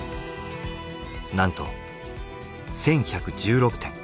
なんと１，１１６点。